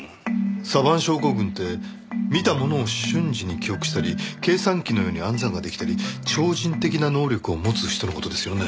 サヴァン症候群って見たものを瞬時に記憶したり計算機のように暗算が出来たり超人的な能力を持つ人の事ですよね？